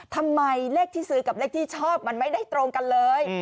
ทำไมเลขที่ซื้อกับเลขที่ชอบมันไม่ได้ตรงกันเลย